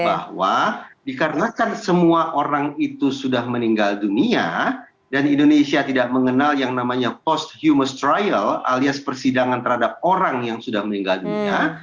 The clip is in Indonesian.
bahwa dikarenakan semua orang itu sudah meninggal dunia dan indonesia tidak mengenal yang namanya post humost trial alias persidangan terhadap orang yang sudah meninggal dunia